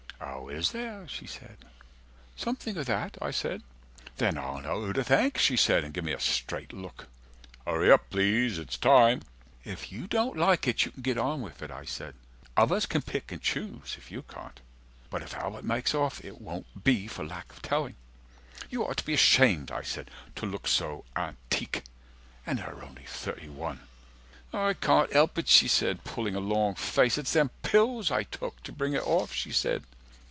Oh is there, she said. Something o' that, I said. 150 Then I'll know who to thank, she said, and give me a straight look. HURRY UP PLEASE IT'S TIME If you don't like it you can get on with it, I said. Others can pick and choose if you can't. But if Albert makes off, it won't be for lack of telling. You ought to be ashamed, I said, to look so antique. (And her only thirty one.) I can't help it, she said, pulling a long face, It's them pills I took, to bring it off, she said.